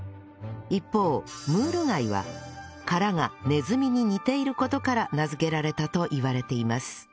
一方ムール貝は殻がネズミに似ている事から名付けられたといわれています